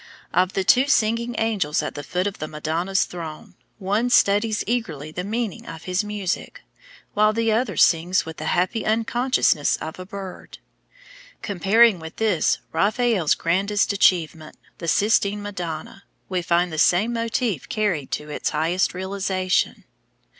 Of the two singing angels at the foot of the Madonna's throne, one studies eagerly the meaning of his music, while the other sings with the happy unconsciousness of a bird. Comparing with this Raphael's grandest achievement, the Sistine Madonna, we find the same motif carried to its highest realization.